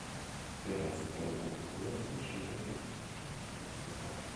Bereits vor dem Abitur entschied er sich, Schauspieler zu werden.